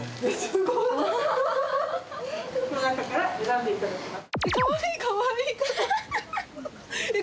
この中から選んで頂きます。